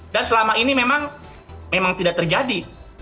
dan selama ini memang tidak terjadi